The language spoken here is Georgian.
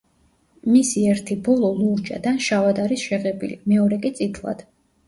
მისი ერთი ბოლო ლურჯად ან შავად არის შეღებილი, მეორე კი წითლად.